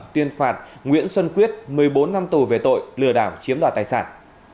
tuyên phạt nguyễn xuân quyết một mươi bốn năm tù về tội lừa đảo chiếm đoạt tài sản